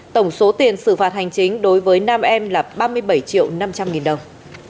tổng số tiền xử phạt hành chính đối với nam em là ba mươi bảy triệu năm trăm linh nghìn đồng